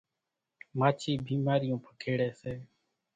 ماڇِي ڀيمارِيوُن پکيڙيَ سي۔